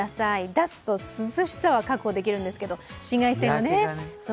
出すと、涼しさは確保できるんですけれども、紫外線がね。